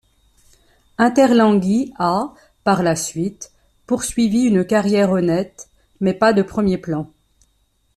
Interlenghi a, par la suite, poursuivi une carrière honnête, mais pas de premier plan.